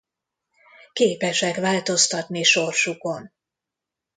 Képesek változtatni sorsukon.